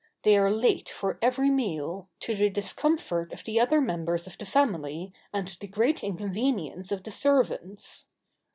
They are late for every meal, to the discomfort of the other members of the family and the great inconvenience of the servants.